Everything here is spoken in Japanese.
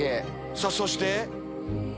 さぁそして。